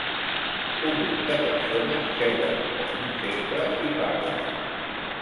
Un grup de persones seuen en un cercle i parlen.